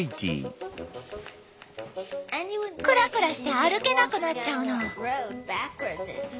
クラクラして歩けなくなっちゃうの。